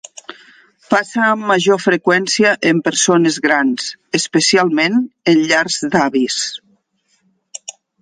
Passa amb major freqüència en persones grans, especialment en llars d'avis.